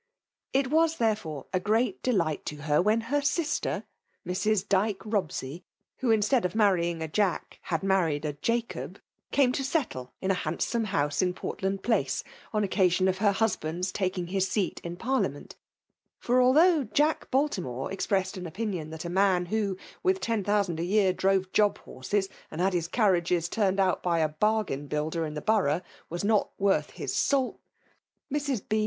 It was, therefore, a great defight to her when her sister, Mrs. Dyke Bobsej, who, instead of marrying a Jadi;, had married a Jacob, came to settle in a handsome house in Portland Place, on occasion of her husband.'* taJking his seat in Parliament; for althou^ Jack Baltimore expressed an opinion that a man who^ with ten thousand a year drove j^b horses, and had his carriages tnmed out hy a bargain builder in the borangh> '' was moi worth his salt," Mrs. B.